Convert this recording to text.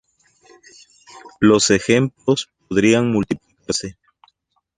Los ejemplos podrían multiplicarse.